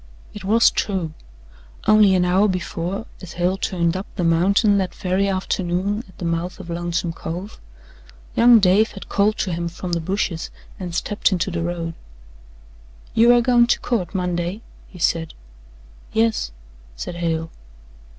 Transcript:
It was true. Only an hour before, as Hale turned up the mountain that very afternoon at the mouth of Lonesome Cove, young Dave had called to him from the bushes and stepped into the road. "You air goin' to court Monday?" he said. "Yes," said Hale.